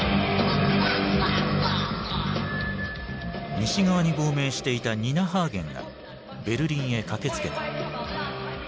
西側に亡命していたニナ・ハーゲンがベルリンへ駆けつけた。